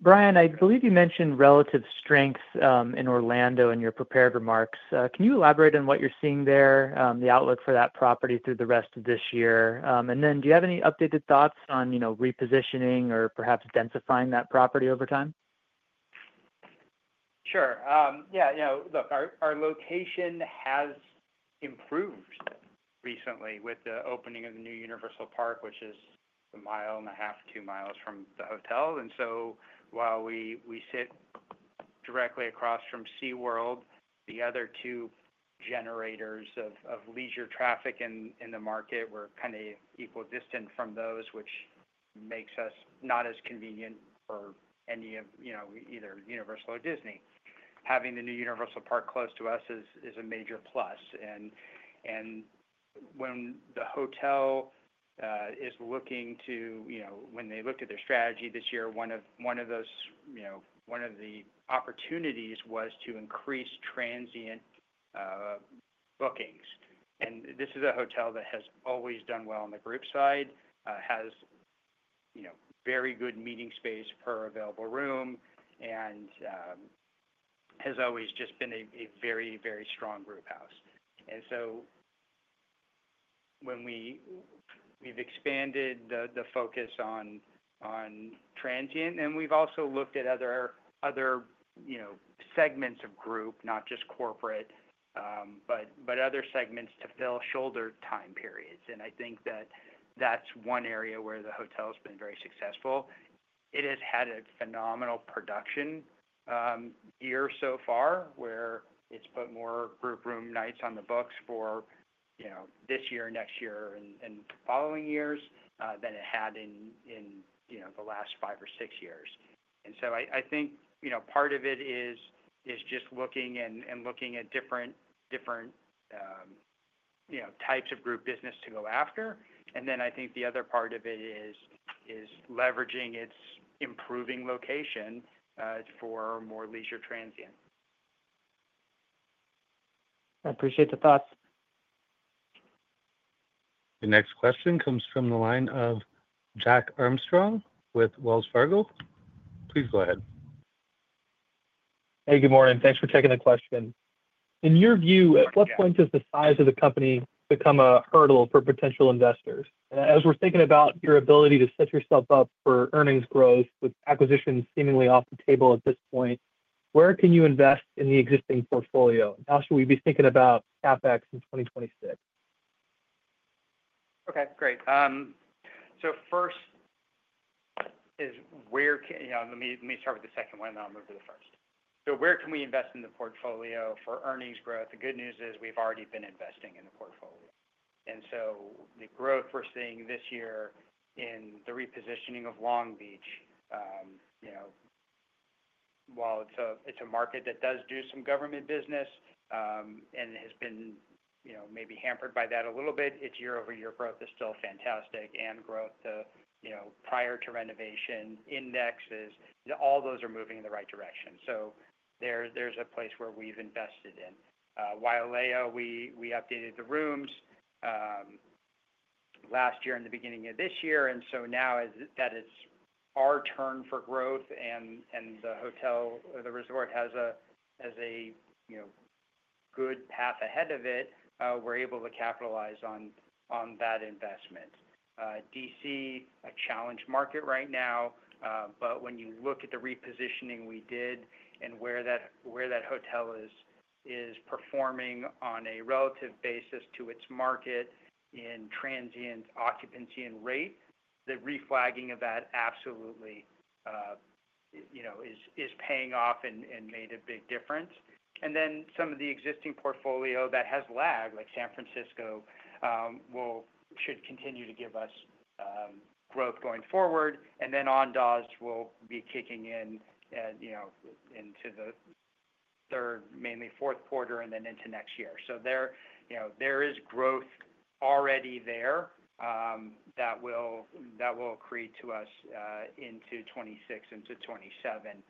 Bryan, I believe you mentioned relative strength in Orlando in your prepared remarks. Can you elaborate on what you're seeing there, the outlook for that property through the rest of this year? Do you have any updated thoughts on, you know, repositioning or perhaps densifying that property over time? Sure. Yeah, you know, look, our location has improved recently with the opening of the new Universal Park, which is a mile and a half, two miles from the hotel. While we sit directly across from SeaWorld, the other two generators of leisure traffic in the market were kind of equal distance from those, which makes us not as convenient for any of, you know, either Universal or Disney. Having the new Universal Park close to us is a major plus. When the hotel is looking to, you know, when they looked at their strategy this year, one of those, you know, one of the opportunities was to increase transient bookings. This is a hotel that has always done well on the group side, has, you know, very good meeting space per available room, and has always just been a very, very strong group house. When we've expanded the focus on transient, we've also looked at other, you know, segments of group, not just corporate, but other segments to fill shoulder time periods. I think that that's one area where the hotel's been very successful. It has had a phenomenal production year so far where it's put more group room nights on the books for, you know, this year, next year, and following years than it had in, you know, the last five or six years. I think, you know, part of it is just looking and looking at different, you know, types of group business to go after. I think the other part of it is leveraging its improving location for more leisure transient. I appreciate the thoughts. The next question comes from the line of Jack Armstrong with Wells Fargo. Please go ahead. Hey, good morning. Thanks for taking the question. In your view, at what point does the size of the company become a hurdle for potential investors? As we're thinking about your ability to set yourself up for earnings growth with acquisitions seemingly off the table at this point, where can you invest in the existing portfolio? How should we be thinking about CapEx in 2026? Okay, great. First is where, you know, let me start with the second one, and I'll move to the first. Where can we invest in the portfolio for earnings growth? The good news is we've already been investing in the portfolio. The growth we're seeing this year in the repositioning of Long Beach, you know, while it's a market that does do some government business and has been, you know, maybe hampered by that a little bit, its year-over-year growth is still fantastic. Growth to, you know, prior to renovation indexes, all those are moving in the right direction. There's a place where we've invested in. Wailea, we updated the rooms last year and the beginning of this year. Now that it's our turn for growth and the hotel or the resort has a, you know, good path ahead of it, we're able to capitalize on that investment. D.C., a challenge market right now, but when you look at the repositioning we did and where that hotel is performing on a relative basis to its market in transient occupancy and rate, the reflagging of that absolutely, you know, is paying off and made a big difference. Some of the existing portfolio that has lag, like San Francisco, should continue to give us growth going forward. Andaz will be kicking in, you know, into the third, mainly fourth quarter, and then into next year. There is growth already there that will accrete to us into 2026 and to 2027.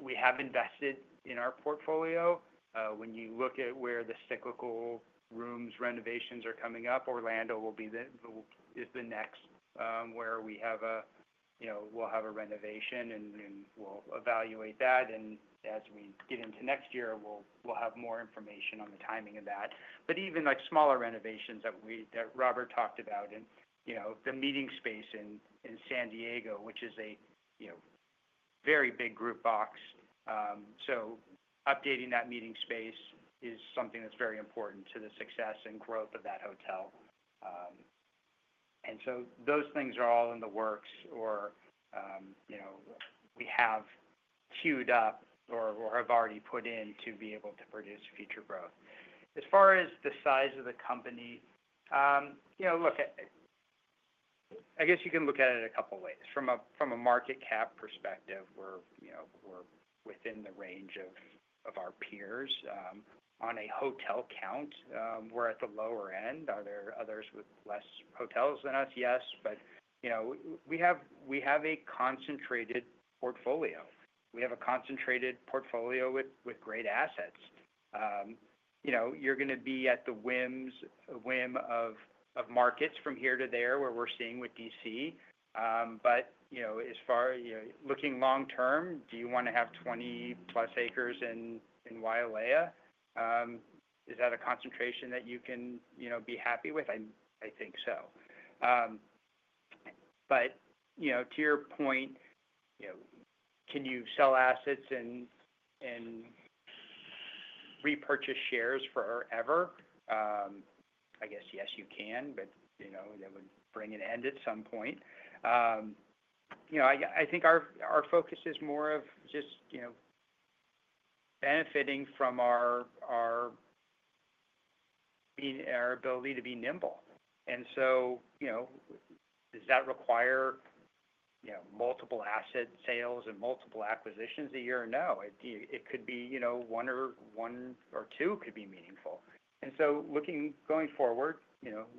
We have invested in our portfolio. When you look at where the cyclical rooms renovations are coming up, Orlando is the next where we have a, you know, we'll have a renovation and we'll evaluate that. As we get into next year, we'll have more information on the timing of that. Even like smaller renovations that Robert talked about and, you know, the meeting space in San Diego, which is a, you know, very big group box. Updating that meeting space is something that's very important to the success and growth of that hotel. Those things are all in the works or, you know, we have queued up or have already put in to be able to produce future growth. As far as the size of the company, you know, look, I guess you can look at it in a couple of ways. From a market cap perspective, we're, you know, we're within the range of our peers. On a hotel count, we're at the lower end. Are there others with less hotels than us? Yes, but, you know, we have a concentrated portfolio. We have a concentrated portfolio with great assets. You know, you're going to be at the whims of markets from here to there where we're seeing with D.C. As far as looking long-term, do you want to have 20+ acres in Wailea? Is that a concentration that you can be happy with? I think so. To your point, can you sell assets and repurchase shares forever? I guess, yes, you can, but that would bring an end at some point. I think our focus is more of just benefiting from our ability to be nimble. Does that require multiple asset sales and multiple acquisitions a year? No, it could be one or one or two could be meaningful. Going forward,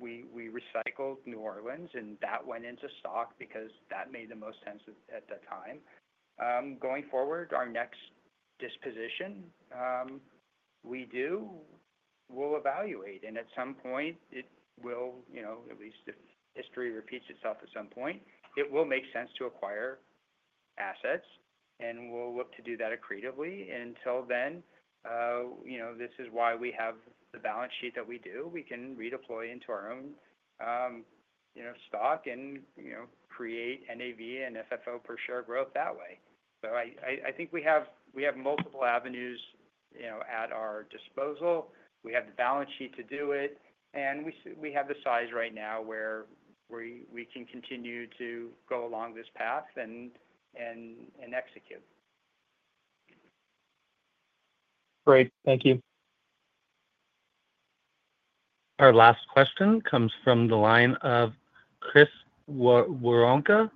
we recycled New Orleans and that went into stock because that made the most sense at the time. Going forward, our next disposition, we do, we'll evaluate. At some point, if history repeats itself, at some point it will make sense to acquire assets, and we'll look to do that accretively. Until then, this is why we have the balance sheet that we do. We can redeploy into our own stock and create NAV and FFO per share growth that way. I think we have multiple avenues at our disposal. We have the balance sheet to do it, and we have the size right now where we can continue to go along this path and execute. Great. Thank you. Our last question comes from the line of Chris Woronka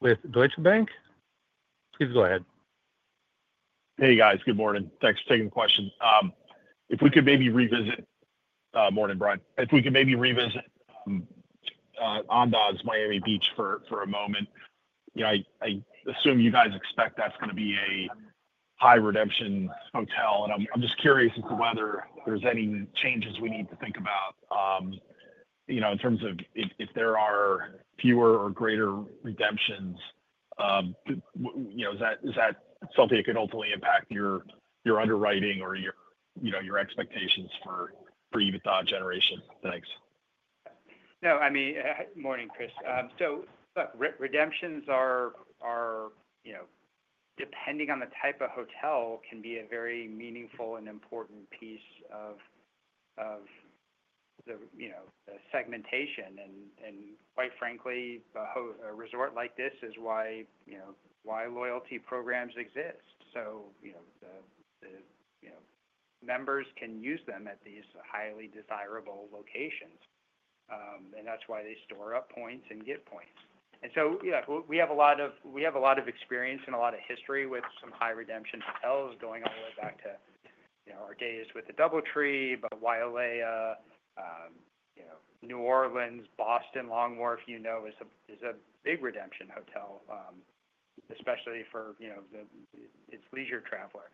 with Deutsche Bank. Please go ahead. Hey guys, good morning. Thanks for taking the question. If we could maybe revisit, morning, Bryan, if we could maybe revisit Andaz Miami Beach for a moment. You know, I assume you guys expect that's going to be a high redemption hotel. I'm just curious as to whether there's any changes we need to think about in terms of if there are fewer or greater redemptions. Is that something that could ultimately impact your underwriting or your expectations for EBITDA generations? Thanks. Morning, Chris. Redemptions are, depending on the type of hotel, a very meaningful and important piece of the segmentation. Quite frankly, a resort like this is why loyalty programs exist. The members can use them at these highly desirable locations. That's why they store up points and get points. We have a lot of experience and a lot of history with some high redemption hotels going all the way back to our days with the Double Tree, but Wailea, New Orleans, Boston, Long Wharf is a big redemption hotel, especially for its leisure traveler.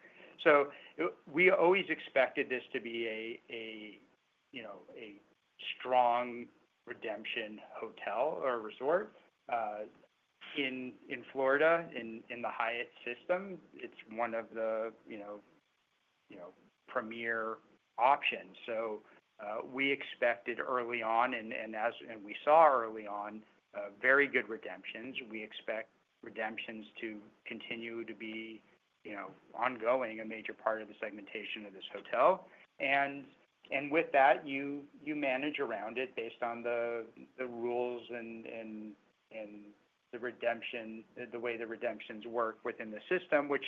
We always expected this to be a strong redemption hotel or resort. In Florida, in the Hyatt system, it's one of the premier options. We expected early on, and as we saw early on, very good redemptions. We expect redemptions to continue to be a major part of the segmentation of this hotel. With that, you manage around it based on the rules and the way the redemptions work within the system, which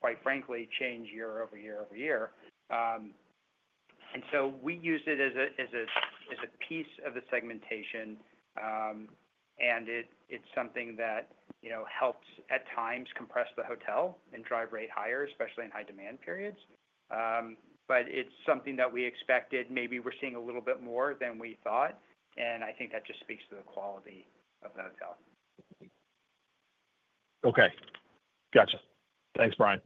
quite frankly change year over year over year. We use it as a piece of the segmentation. It's something that helps at times compress the hotel and drive rate higher, especially in high demand periods. It's something that we expected, maybe we're seeing a little bit more than we thought. I think that just speaks to the quality of the hotel. Okay. Gotcha. Thanks, Bryan.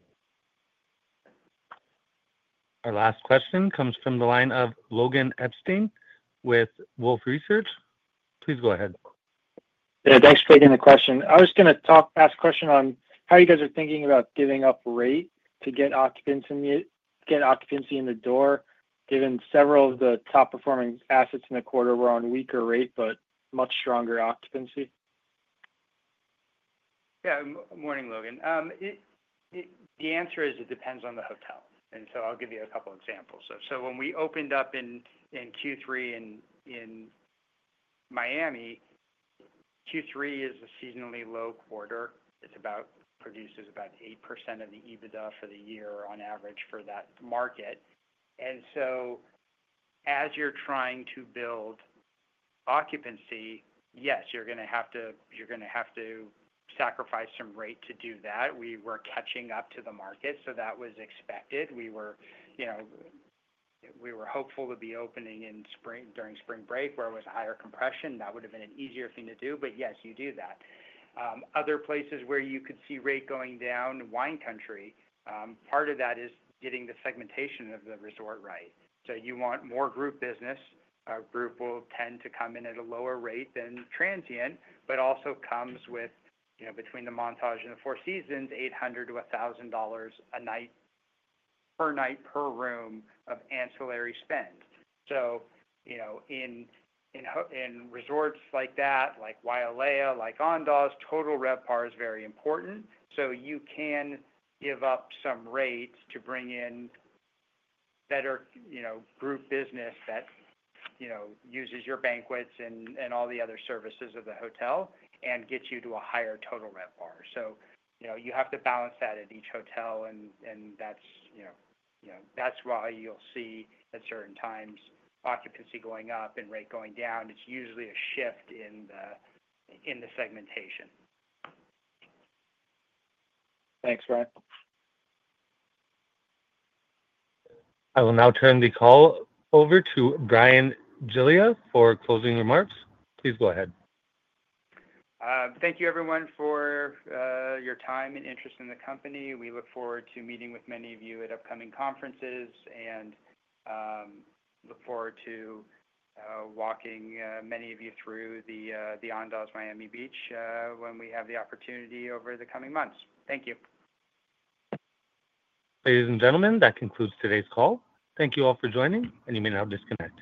Our last question comes from the line of Logan Epstein with Wolfe Research. Please go ahead. Yeah, thanks for taking the question. I was going to talk past question on how you guys are thinking about giving up rate to get occupancy in the door, given several of the top performing assets in the quarter were on weaker rate, but much stronger occupancy? Yeah, morning, Logan. The answer is it depends on the hotel. I'll give you a couple of examples. When we opened up in Q3 in Miami, Q3 is a seasonally low quarter. It produces about 8% of the EBITDA for the year on average for that market. As you're trying to build occupancy, yes, you're going to have to sacrifice some rate to do that. We were catching up to the market, so that was expected. We were hopeful to be opening in spring during spring break where it was a higher compression. That would have been an easier thing to do. Yes, you do that. Other places where you could see rate going down, Wine Country, part of that is getting the segmentation of the resort right. You want more group business. A group will tend to come in at a lower rate than transient, but also comes with, between the Montage and the Four Seasons, $800-$1,000 a night per room of ancillary spend. In resorts like that, like Wailea, like Andaz, total RevPAR is very important. You can give up some rates to bring in better group business that uses your banquets and all the other services of the hotel and gets you to a higher total RevPAR. You have to balance that at each hotel. That's why you'll see at certain times occupancy going up and rate going down. It's usually a shift in the segmentation. Thanks, Bryan. I will now turn the call over to Bryan Giglia for closing remarks. Please go ahead. Thank you, everyone, for your time and interest in the company. We look forward to meeting with many of you at upcoming conferences and look forward to walking many of you through the Andaz Miami Beach when we have the opportunity over the coming months. Thank you. Ladies and gentlemen, that concludes today's call. Thank you all for joining, and you may now disconnect.